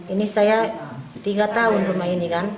ini saya tiga tahun rumah ini kan